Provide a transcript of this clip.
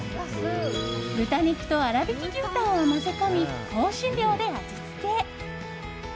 豚肉と粗びき牛たんを混ぜ込み香辛料で味付け。